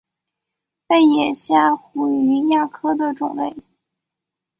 背眼虾虎鱼亚科的种类。